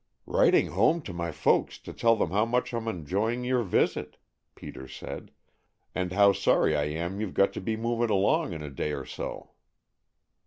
"Writing home to my folks to tell them how much I'm enjoying your visit," Peter said, "and how sorry I am you 've got to be moving along in a day or so."